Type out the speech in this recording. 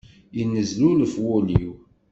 Yennezlulef wul-iw.